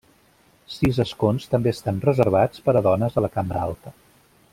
Sis escons també estan reservats per a dones a la cambra alta.